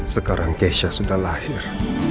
sekarang keisha sudah lahir